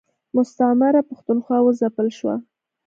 مستعمره پښتونخوا و ځپل شوه.